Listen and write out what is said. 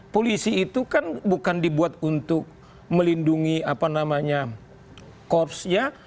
polisi itu kan bukan dibuat untuk melindungi apa namanya korpsnya